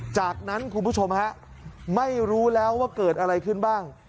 จากนั้นคุณผู้ชมฮะไม่รู้แล้วว่าเกิดอะไรขึ้นบ้าง